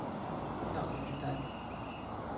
投票通知單